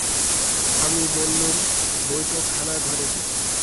আমি বললুম, বৈঠকখানাঘরে।